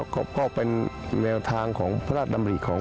ก็เป็นแนวทางของพระราชดำริของ